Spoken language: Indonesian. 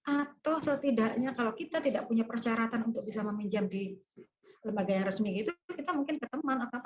atau setidaknya kalau kita tidak punya persyaratan untuk bisa meminjam di lembaga yang resmi gitu kita mungkin ke teman atau apa